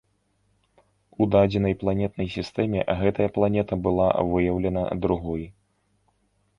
У дадзенай планетнай сістэме гэтая планета была выяўлена другой.